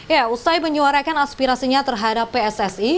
ya usai menyuarakan aspirasinya terhadap pssi